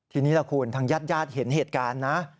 ทีนี้ล่ะคุณทางญาติญาติเห็นเหตุการณ์นะ